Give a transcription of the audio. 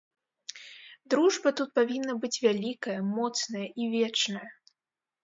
Дружба тут павінна быць вялікая, моцная і вечная.